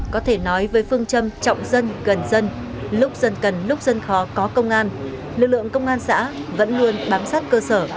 có thể nói với phương châm trọng dân gần dân lúc dân cần lúc dân khó có công an lực lượng công an xã vẫn luôn bám sát cơ sở